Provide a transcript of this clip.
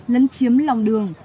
lấn chiếm lòng đường